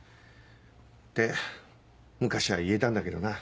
って昔は言えたんだけどな。